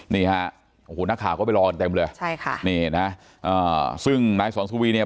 นี่ฮะโอ้โหนักข่าวก็ไปรอกันเต็มเลยใช่ค่ะนี่นะซึ่งนายสอนสุวีเนี่ย